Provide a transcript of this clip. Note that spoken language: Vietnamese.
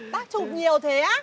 bác chụp nhiều thế á